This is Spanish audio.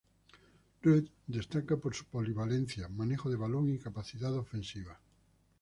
Rudd destaca por su polivalencia, manejo de balón y capacidad ofensiva.